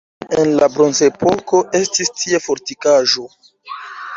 En la bronzepoko estis tie fortikaĵo.